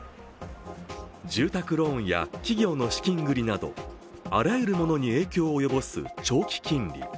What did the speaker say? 住宅ローンや企業の資金繰りなどあらゆるものに影響を及ぼす長期金利。